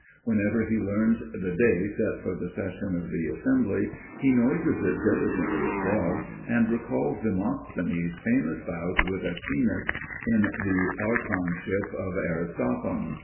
Whenever he learns the day set for the session of the Assembly he noises it diligently abroad, and recalls Demosthenes's famous bout with Aeschines in the archonship of Aristophon.